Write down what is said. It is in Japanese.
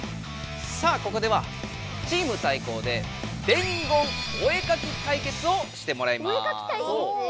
さあここではチーム対抗で「伝言お絵かき対決」をしてもらいます。